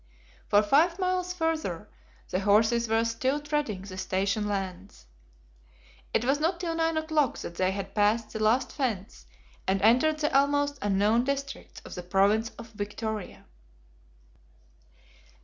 For five miles further, the horses were still treading the station lands. It was not till nine o'clock that they had passed the last fence, and entered the almost unknown districts of the province of Victoria.